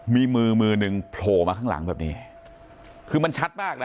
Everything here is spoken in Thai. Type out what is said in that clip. มีมือมือหนึ่งโผล่มาข้างหลังแบบนี้คือมันชัดมากนะ